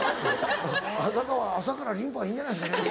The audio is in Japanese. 朝からリンパはいいんじゃないですかね。